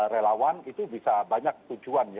relawan itu bisa banyak tujuan